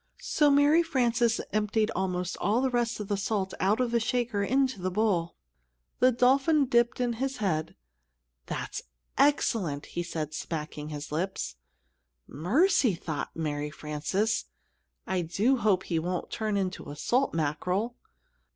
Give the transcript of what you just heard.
So Mary Frances emptied almost all the rest of the salt out of the shaker into the bowl. The dolphin dipped in his head. "That's excellent," he said, smacking his lips. "Mercy," thought Mary Frances, "I do hope he won't turn into a salt mackerel."